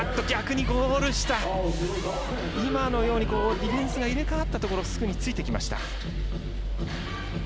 ディフェンスが入れ代わったところをすぐについてきました。